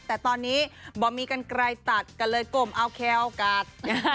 แต่ตอนนี้บ่มีกันไกลตัดก็เลยกลมเอาแคลกัด